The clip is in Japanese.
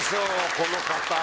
この方。